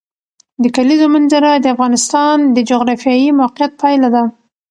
د کلیزو منظره د افغانستان د جغرافیایي موقیعت پایله ده.